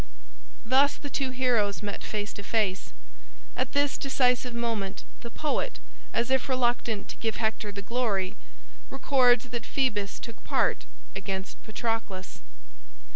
Thus the two heroes met face to face. At this decisive moment the poet, as if reluctant to give Hector the glory, records that Phoebus took part against Patroclus.